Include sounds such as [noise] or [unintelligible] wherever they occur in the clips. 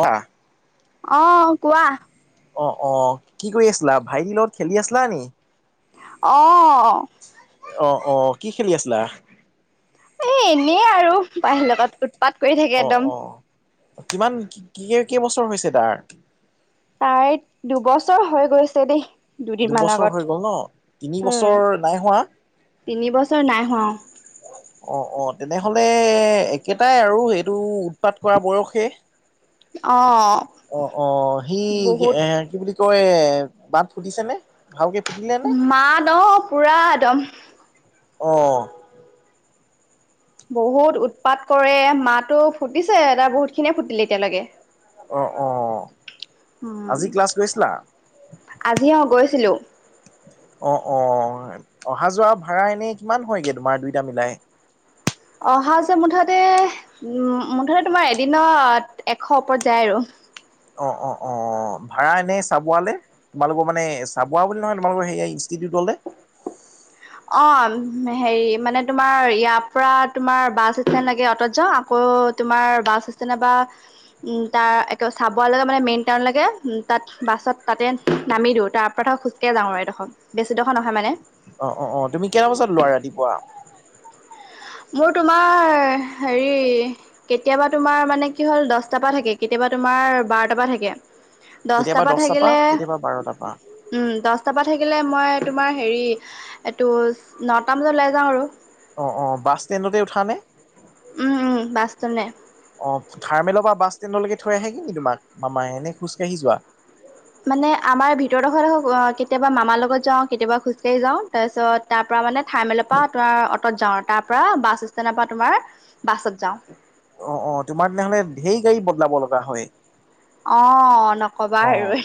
অ আহ অহ কোৱা অ অ কি কৰি আছিলা ভাইটিৰ লগত খেলি আছিলা নি? অ অ অহ কি খেলি আছিলা? এ এনে আৰু বাহিৰ লগত উৎপাত কৰি থাকে অ একদম অ কিমান কি কেই বছৰ হৈছে তাৰ? তাই দুবছৰ হৈ গৈছে দেই। দুদিনমান দুবছৰ আগত হৈ গ'ল ন তিনি বছৰ নাই হোৱা? তিন বছৰ নাই হ অ অ অ তেনেহলে একেটাই আৰু এইটো উৎপাত কৰা বয়সেই। অ অ অ সি বহুত এ কি বুলি কয় মাত ফুটিছে নে ভালকে। ফুটিলে নে মাত ন পুৰা একদম। অহ। বহুত উৎপাত কৰে মাতো ফুটিছে তাৰ বহুত খিনিয়ে ফুটিলে এতিয়ালৈকে। অ অ আজি ক্লাছ গৈছিলা আজি অ গৈছে। আছিলো অ অ অহা যোৱা ভাড়া এনেই কিমান হয়গৈ তোমাৰ দুইটা মিলাই অহা যোৱা মুঠতে- মুঠতে তোমাৰ এদিনত এশ ওপৰত যায় আৰু। অ অ অ অ অ ভাড়া এনে চাবোৱালে তোমালোকৰ মানে চাবোৱা বুলি নহয় তোমালোকৰ সে ইনিটিউটলে [inaudible] অ হেৰি মানে তোমাৰ ইয়াৰ পৰা তোমাৰ বাছ ষ্টেণ্ড লাগে অটত যাওঁ আকৌ তোমাৰ বাছ ষ্টেণ্ড বা তাৰ একে চাবোৱালৈ লগে মানে মেইন টাউনলৈকে তাত বাছত তাতে নামি দিওঁ তাৰ পৰা খোজকাঢ়ি যাওঁ আৰু এইডোখৰ বেছিডোখৰ নহয় মানে অ অ তুমি কেইটা বজাত লোৱা ৰাতিপুৱা মোৰ তোমাৰ হেৰি কেতিয়াবা তোমাৰ মানে কি হ'ল দহটা পৰা থাকে কেতিয়াবা তোমাৰ বাৰটা পৰা থাকে কেতিয়াবা দহটাৰ পৰা থাকিলে কেতিয়াবা বাৰটাৰ পৰা? উম দহটাৰ পৰা থাকিল থাকিলে মই তোমাৰ হেৰি এইটো নটা বজাত ওলাই যাওঁ আৰু। অ অ বাছ ষ্টেণ্ডতে উঠা নে? উম, উম, বাছ ষ্টেণ্ডলে। অ থাৰ্মেলৰ পৰা বাছ লৈকে থৈ আহেগে ন তোমাক মামা এনে খোজকাঢ়ি যোৱা? মানে আমাৰ ভিতৰ দখৰ এইদখৰ কেতিয়াবা মামাৰ লগত যাওঁ। কেতিয়াবা খোজকাঢ়ি যাওঁ। তাৰপিছত তাৰ পৰা মানে থাৰ্মেলৰ পৰা তোমাৰ অটত যাওঁ। তাৰ পৰা বাছ ষ্টেণ্ডৰ পৰা তোমাৰ বাছত যাও। অ অ তোমাৰ তেনেহ'লে ঢেৰ গাড়ী বদলাব লগা হয়। অঁ নক'বা অ', আৰু।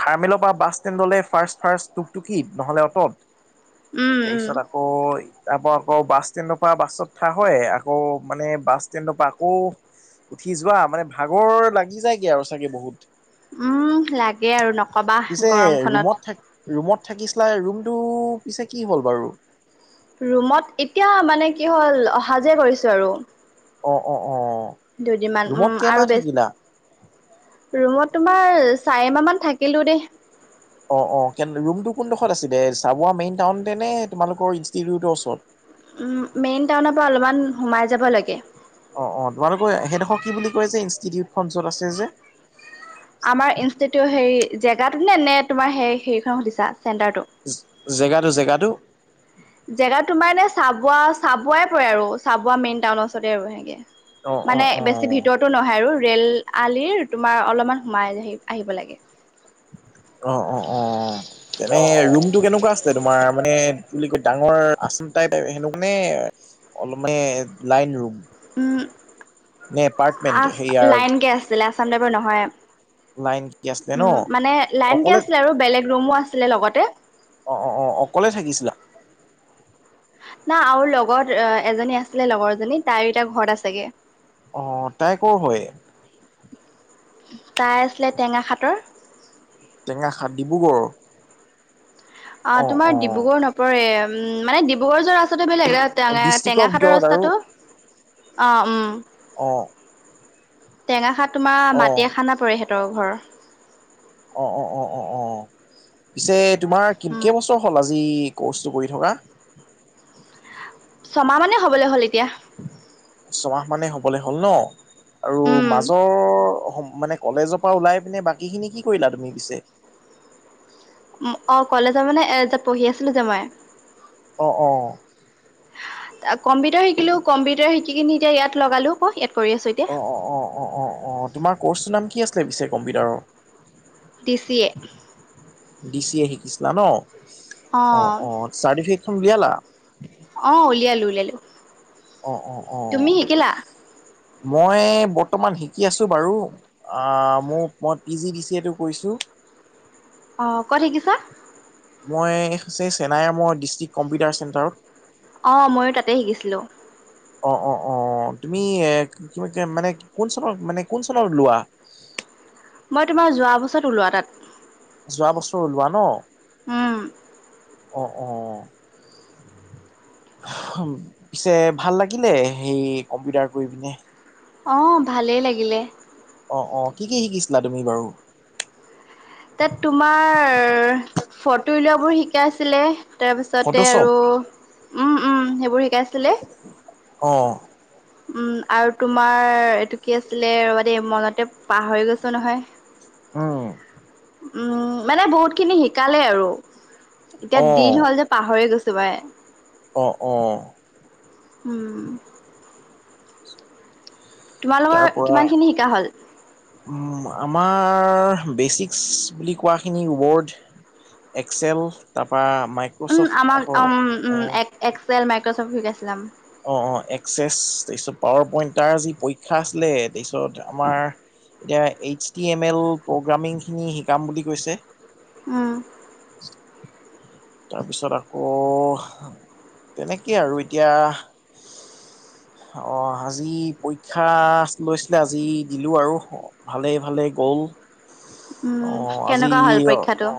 থাৰ্মেলৰ পৰা বাছ ষ্টেণ্ডলে ফাৰ্ষ্ট ফাৰ্ট টুক টুকি নহ'লে অটত উম উম তাৰপিছত আকৌ তাৰপৰা আকৌ বাছ ষ্টেণ্ডৰ পৰা বাছত উঠা হয়। আকৌ মানে বাছ ষ্টেণ্ডৰ পৰা আকৌ উঠি যোৱা মানে ভাগৰ লাগি যায়গে আৰু চাগে বহুত। উম লাগে আৰু নকবা পিছে গৰমখনত ৰুমত থা ৰুমত থাকিছিলা ৰুমটো পিছে কি হ'ল বাৰু? ৰুমত এতিয়া মানে কি হ'ল অহা যোৱা কৰিছোঁ আৰু। অ অ অ দুদিনমান ৰুমত উম কেইমাহ আৰু বেছ থাকিলা ৰুমত তোমাৰ চাৰি মাহমান থাকিলো দেই। অ অ ৰুমটো কোনডোখৰত আছিলে চাবোৱা মেইন টাউনতে নে তোমালোকৰ ইনষ্টিটিউটৰ ওচৰত? উ মেইন টাউনৰ পৰা অলপমান সোমাই যাব লাগে। অ অ তোমালোক সেইডোখৰ কি বুলি কয় যে ইনষ্টিটিউট খন ওচৰত আছে যে? আমাৰ ইনষ্টিতিউত হেৰি জেগাটো নে নে তোমাৰ স হেৰিখন সুধিছা। চেণ্টাৰটো জেগাটো -জেগাটো। জেগাত তোমাৰ এনে চাবোৱা- চাবুৱাই পৰে আৰু চাবুৱা মেইন টাউনৰ ওচৰতে আৰু সেনেকে অ অ মানে বেছি অ ভিতৰতো নহয় আৰু ৰেল আলিৰ তোমাৰ অলপমান সোমাই আহি আহিব লাগে। অ অ অ তেনে ৰুমটো কেনেকুৱা আছে তোমাৰ মানে বুলি ক ডাঙৰ আচন টাইপ সেনোনে অলপ মানে লাইন ৰুম উম নে এপাৰ্টমেন্ট আ সেয়াৰ লাইন কে আছিলে আসাম টাইপৰ নহয় লাইন কি আছিলে ন উম মানে লাইনকে অকলে আছিলে আৰু বেলেগ ৰুমো আছিলে লগতে। অ অ অ অকলে থাকিছিলা। না আৰু লগৰ এজনী আছিলে লগৰ জনী তাই এতয়া ঘৰত আছেগে অ তাই কৰ হয়। তাই আছিলে টেঙা খাটৰ টেঙাখাত ডিব্ৰুগড় অ তোমাৰ ডিব্ৰুগড় নপৰে উম মানে ডিব্ৰুগড় যোৱা ৰাস্তাত বেলেগ এ টেঙা ডিষ্ট্ৰিক্টৰ -টেঙা খাটৰ ভিতৰত আৰু ৰাস্তাটো অ উম। অ টেঙা খাৰ তোমাৰ অ মাটি এ খানা পৰে হিঁতৰ ঘৰৰ অ অ অ অ অ পিছে তোমাৰ উম কিনকেই বছৰ হ'ল আজি- কৰ্চটো কৰি থকা। ছমাহ মানেই হ'বলৈ হ'ল এতিয়া ছমাহ মানে হ'বলে হ'ল ন আৰু উম মাজৰ সময় মানে কলেজৰ পৰা ওলাই পিনে বাকী খিনি কি কৰিলা তুমি পিছে। অঁ কলেজৰ মানে তাত পঢ়ি আছিলোঁ যে মই। অ অ। কম্পিউটাৰ শিকিলো কম্পিউটাৰ শিকি কিনি এতিয়া ইয়াত লগালো ক ইয়াত কৰি আছো এতিয়া অ অ অ অ অ অ তোমাৰ ক'ৰ্চটো নাম কি আছিলে পিছে কম্পিউটাৰৰ DC A D C A শিকিছিলা ন অ অ চাৰ্টিফিকট উলিয়ালা। অ উলিয়ালো লালো। অ অ অ মই বৰ্তমান শিকি আছোঁ বাৰু মোক মই পি জি ডি চি এটো কৰিছোঁ। উ অ ক'ত শিকিছা মই হৈছে চেনাইমৰ ডিষ্ট্ৰিক্ট কম্পিউটাৰ চেণ্টাৰত অঁ ময়ো তাতে শিকিছিলোঁ অ অ অ তুমি এ কি মানে কোন চনৰ মানে কোন চনৰ লোৱা। [inaudible] মই তোমাৰ যোৱা বছৰত ওলোৱা তাত যোৱা বছৰ ওলোৱা ন উম অ অ পিছে ভাল লাগিলে সেই কম্পিউটাৰ কৰি পিনে। অ ভালেই লাগিলে। অ অ কি কি শিকিছিলা তুমি বাৰু? তাত তোমাৰ ফটো উলাবোৰ শিকাইছিলে তাৰপিছতে ফটোশ্বপ আৰু সেইবোৰ শিকাইছিলে। অঁ উম আৰু তোমাৰ এইটো কি আছিলে ৰবা দেই মনতে পাহৰি গৈছো নহয়। উম উম মানে বহুত খিনি শিকালে আৰু, এতিয়া অ', দিন হ'ল যে পাহৰি গৈছ। চবাই। অ অ। উম। তোমালোকৰ তাৰ পৰা কিমান খিনি শিকা হ'ল উম। আমাৰ বেচিক্স বুলি কোৱাখিনি বৰ্ড। এক্সেল তাৰপা। উম মাইক্ৰ'চফ্ট আমাক আকৌ উম উম অ', এক্সেল মাইক্ৰচফ্ট শিকাই আছিল। অ অ এক্সেছ তাৰপিছত পাৱাৰ পইণ্টাৰ যি পৰীক্ষা আছিলে তাৰপিছত আমাৰ। এতিয়া H T M L programming খিনি শিকাম বুলি কৈছে। উ। তাৰপিছত আকৌ, তেনেকেই আৰু এতিয়া। হয়। অঁ আজি পৰীক্ষা লৈছিলে আজি দিলোঁ আৰু ভালে ভালে গ'ল। উম অ আজি কেনেকুৱা হ'ল পৰীক্ষাটো অ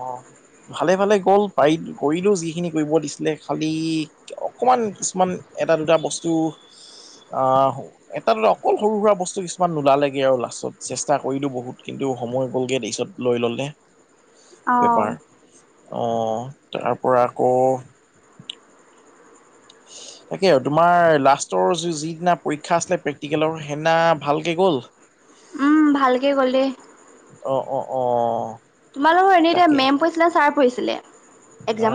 ভালে ভালে গ'ল পাৰি। কৰিলেও যিখিনি কৰিব দিছিলে খালী অকণমান কিছুমান এটা দুটা বস্তু। আহ এটা দৰে অকল সৰু সুৰা বস্তু কিছুমান নোলালেগে আৰু লাষ্টত চেষ্টা কৰিলো বহুত কিন্তু। সময় গ'লগে তাৰিছত লৈ ল'লে। অঁ। পেপাৰ [unintelligible] অ তাৰ পৰা আকৌ। উ। তাকে তোমাৰ লাষ্টৰ য যিদিনা পৰীক্ষা আছিলে প্ৰেক্টিকেলৰ সেইদিনা ভালকে গ'ল। উম ভালকে গলে। অ অ অ। তোমালোকৰ এনেই এতিয়া তাকেই। মেম পৰিছিলে ছাৰ পৰিছিলে। অ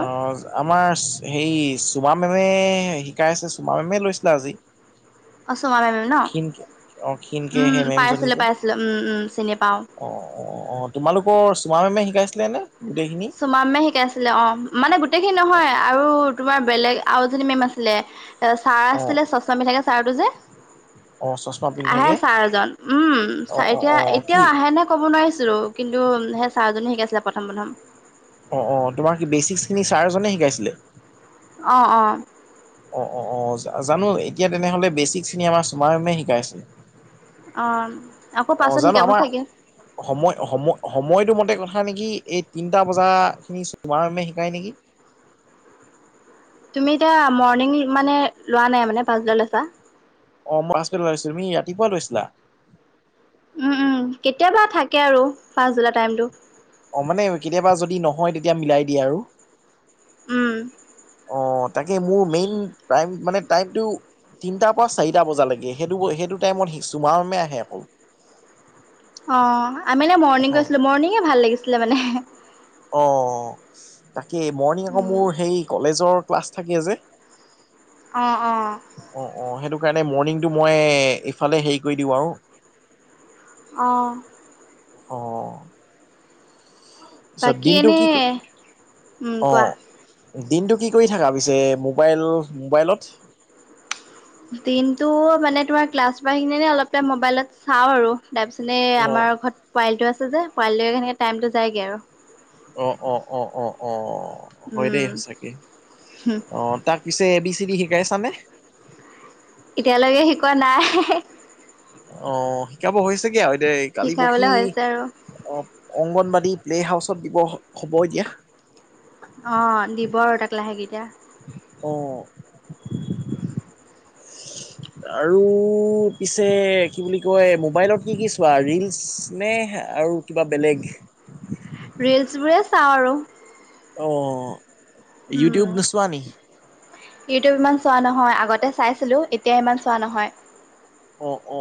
আমাৰ হে। চুমা মেমে শিকাই আছে চুমা মেমে লৈছিলে আজি। চমা মেম ন ক্ষীণকে অ ক্ষীণকে উম সেই মেমজনী পাইছিলো যে। পাইছিলো উম উম চিনি পাওঁ। অ অ অ তোমালোকৰ চুমা মেমে শিকাইছে। চুমামে শিকাইছিলে অ মানে গোটেইখিনি নহয় আৰু তোমাৰ। বেলেগ আৰুজনী মেম আছিলে এ ছাৰ অ আছিলে চচমা মিলাকাকে ছাৰটো যে। অ। চশমা আহে পিন্ধাকে চাৰজন উম অ অ এতিয়া অ এতিয়াও কি আহে নে ক'ব নোৱাৰিছো কিন্তু। চাৰওজনী শিকাই আছিলে প্ৰথম প্ৰথম। অঁ অ তোমাৰ বেচিকখিনি ছাৰজনে শিকাইছিলে। আহ অ। অ অ অ জানো এতিয়া তেনেহ'লে বেচিক চিনি আমাৰ চুমাইুমে শিকাইছে। অ আকৌ অ পাছত জানো শিকাব আমাৰ চাগে। সময় সময় সময়টো মতে কথা নেকি? এই তিনিটা বজা খিনি চমাৰমে শিকায় নেকি। তুমি এতিয়া মৰ্ণিং মানে লোৱা নাই মানে পাছডালৈ চা। অ মই আজ পেল লছিলো তুমি ৰাতিপুৱা লৈছিলা। উম উম কেতিয়াবা থাকে আৰু পাচ জুলাই টাইমতটো। অ মানে কেতিয়াবা যদি নহয় তেতিয়া মিলাই দিয়ে আৰু। উম। অ তাকে মোৰ মেইন টাইম মানে টাইমটো। তিনটাৰ পৰা চাৰিটা বজালৈকে সেইটো সেইটো টাইমত চুমাৰমে আহে অকল। অ আমি নে অ মৰ্ণিং গৈছিলো মৰ্ণিঙে ভাল লাগিছিলে মানে। অ তাকে মৰ্ণিং আকৌ মোৰ সেই কলেজৰ ক্লাছ থাকে যে। অঁ অঁ। অ অ সেইটো কাৰণেই মৰ্নিং টো মই এই ফালে হেৰি কৰিছিলো আৰু অ অ তাৰপিছত বাকী দিনটো এনে কিক উম অ কোৱা। দিনটো কি কৰি থকা পিছে মোবাইল মোবাইলত- দিনটো মানে তোমাৰ ক্লাছ বা খিনি অলপ মবাইলত চাওঁ আৰু- তাৰপিছতে এই অ', আমাৰ ঘৰত পোৱালিটো আছে যে পোৱালিটোৱে সনেকৈ টাইমটো যায়গৈ আৰু- অ অ অ অ অ হয় দেই উম সঁচাকে- অ তাক পিছে এ বি চি দি শিকাইছানে? এতিয়ালৈকে শিকোৱা নাই। অ', শিকাব হৈছেগে আৰু এতিয়া কালি পৰহি। শিকাবলৈ হৈছে আৰু অংগনবাদী প্লে হাউচত দিব হ'ব এতিয়া। অ দিব আৰু তাক লাহেকে এতিয়া। অঁ আৰু পিছে কি বুলি কয় মোবাইলত কি কি চোৱা ৰিলচ নে। আৰু কিবা বেলেগ। ৰিলচবোৰে চাওঁ। আৰু অ ইউটিউব উম নোচোৱা নি- ইউটিউব ইমান চোৱা নহয় আগতে চাইছিলোঁ এতিয়া ইমান চোৱা নহয়। অ অ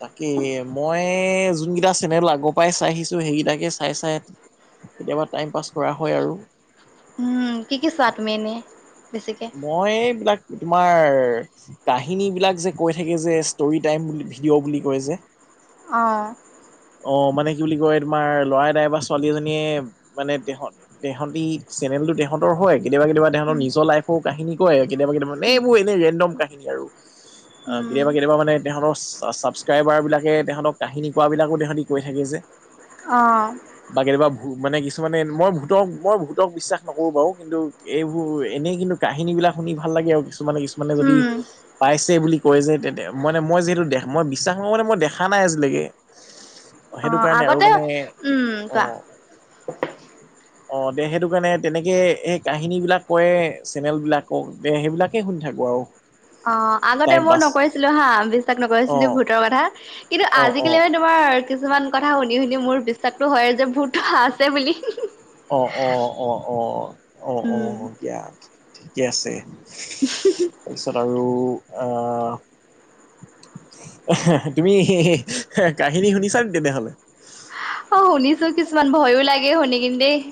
তাকেই মই- যোনকেইটা চেনেল আগৰ পৰাই চাই আহিছো সেইকেইটাকে চাই চাই। কেতিয়াবা টাইম পাছ কৰা হয় আৰু- উম কি কি চোৱা তুমি এনেই- বেছিকে? মই এইবিলাক তোমাৰ কাহিনী বিলাক যে কৈ থাকে যে ষ্টৰি টাইম বুলি ভিডিঅ' বুলি কয় যে আহঁ- অ মানে কি বুলি কয় তোমাৰ ল'ৰাদাই বা ছোৱালী এজনীয়ে মানে তেহত তেহঁততি চেনেল- তেহঁতৰ হয় কেতিয়াবা কেতিয়াবা তেহঁতৰ উম, নিৰ লাইফৰ কাহিনী কয় কেতিয়াবা কেতিয়াবা উম, এইবোৰ এৰেণ্ডম কাহিনী আৰু অ উম, কেতিয়াবা কেতিয়াবা মানে তেহঁতৰ ছাবস্ক্ৰাইবাৰ বিলাকে তেহঁতক কাহিনী কোৱা বিলাকো- কৈ থাকে যে অ', বা কেতিয়া বা ভো- মানে কিছুমানে মই ভূতক মই ভূতক বিশ্বাস নকৰোঁ বাৰু কিন্তু এইবোৰ এনেই কিন্তু কাহিনীবিলাক- শুনি ভাল লাগে আৰু কিছুমানে কিছুমানে যদি উম, পাইছে বুলি- কয় যে তে মানে মই যিহেতু দেখ মই বিশ্বাস কৰো মানে মই দেখা নাই আজিলৈকে- অ সেইটো কাৰণে আৰু মানে উম, অ কোৱা? আহ- দে সেইটো কাৰণে তেনেকৈ সেই কাহিনীবিলাক কৰেয় চেনেলবিলাকক দে সেইবিলাকেই শুনি থাকোঁ আৰু অ আগতে টাইম মই পাছ নকৰিছিলো হা বিশ্বাস অ নকৰিছিলো ভূতৰ কথা কিন্তু অ অ আজিকালি মানে তোমাৰ- কিছুমান কথা শুনি শুনি মোৰ বিশ্বাসতটো হয় যে ভূতো আছে বুলি হি হি- অ অ অ অ অ অ উম, দিয়া ঠিকে আছে। তাৰপিছত আৰু আহ- তুমি কাহিনী শুনিছাে তেনেহলে- অ শুনিছো কিছুমান ভয়ো লাগে শুনি কিন্ত দেই-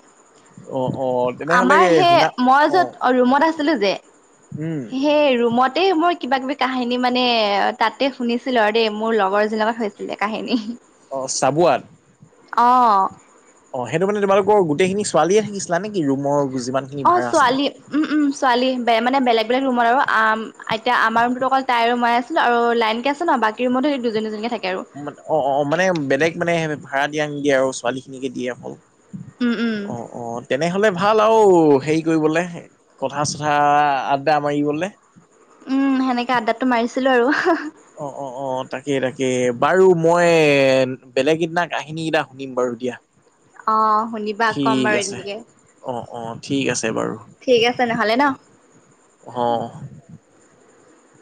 অ অ তেনেহলে আমাৰ সেই শুনা মই অ য'ত ৰুমত আছিলো যে উম সেই ৰুমত- ততে মই কিবা কিবি কাহিনী মানে তাতে শুনিছিলো আৰু দেই মোৰ লগৰজন লগত হৈছিলে কাহিনী অ চাবুৱাত অঁ অ সেইটো মানে তোমালোকৰ গোটেইখিনি ছোৱালীয়ে থাকিছিলা নেকি ৰুমৰ। যিমান খিনি অ ভাড়া আছিলে? ছোৱালী উম উম ছোৱালী বে মানে বেলেগ বেলেগ ৰুমৰ আৰু আ এতিয়া আমাৰ ৰুমটো অকল তাইৰো মাই আছিল আৰু লাইন কে আছে ন বাকী ৰুমতো সেই দুজনীজনীকে থাকে আৰু অ অ মানে বেলেগ মানে ভাড়া দিয়া নিদিয়ে আৰু ছোৱালী খিনিকে দিয়ে অকল উম উম অ অ তেনেহলে ভাল আৰু হেৰি কৰিবলৈ কথা চথা আড্ডা মাৰিবলে উম সেনেকে আদ্ডাতটো মাৰিছিলো আৰু অ অ অ তাকে তাকে বাৰু মই বেলেগ এদিনা কাহিনী কেইটা শুনিম বাৰু দিয়া অ শুনিবা কম ঠিক বাৰু আছে এদিনকে অ অ ঠিক আছে বাৰু আছে নহ'লে ন অ।